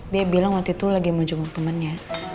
dia bilang waktu itu lagi mau jempol temennya